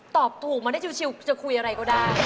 ตอบถูกมาได้ชิวจะคุยอะไรก็ได้